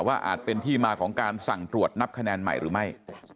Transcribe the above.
อาจเป็นที่มาของการสั่งตรวจนับคะแนนใหม่หรือไม่